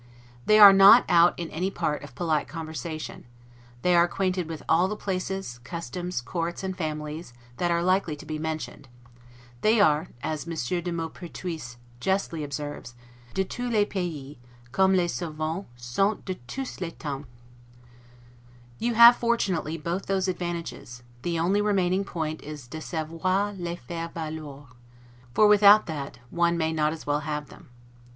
They are not out in any part of polite conversation; they are acquainted with all the places, customs, courts, and families that are likely to be mentioned; they are, as Monsieur de Maupertuis justly observes, 'de tous les pays, comme les savans, sont de tous les tems'. You have, fortunately, both those advantages: the only remaining point is 'de savoir les faire valoir', for without that one may as well not have them.